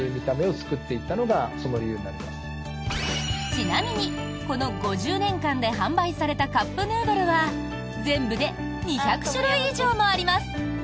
ちなみに、この５０年間で販売されたカップヌードルは全部で２００種類以上もあります。